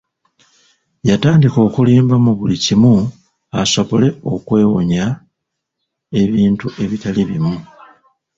Yatandika okulimba mu buli kimu asobole okwewonya ebintu ebitali bimu.